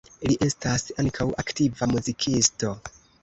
Li estas ankaŭ aktiva muzikisto.